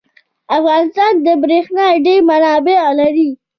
افغانستان د بریښنا ډیر منابع لري.